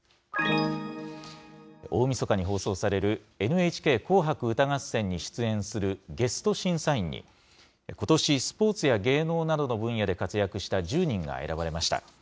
大みそかに放送されるＮＨＫ紅白歌合戦に出演するゲスト審査員に、ことし、スポーツや芸能などの分野で活躍した１０人が選ばれました。